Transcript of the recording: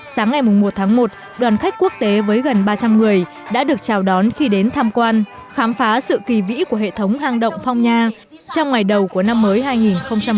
sáng ngày một tháng một đoàn khách quốc tế với gần ba trăm linh người đã được chào đón khi đến tham quan khám phá sự kỳ vĩ của hệ thống hang động phong nha trong ngày đầu của năm mới hai nghìn hai mươi